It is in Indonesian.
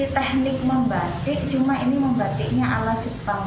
teknik membatik cuma ini membatiknya ala jepang